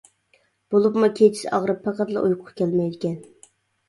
بولۇپمۇ كېچىسى ئاغرىپ پەقەتلا ئۇيقۇ كەلمەيدىكەن.